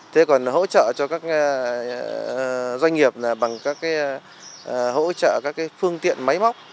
thế còn hỗ trợ cho các doanh nghiệp bằng các cái hỗ trợ các cái phương tiện máy móc